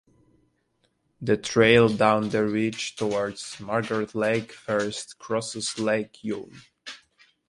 The trail down the ridge towards Margaret Lake first crosses Lake Yvonne.